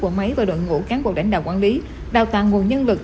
của máy và đội ngũ cán bộ đánh đạo quản lý đào tạo nguồn nhân lực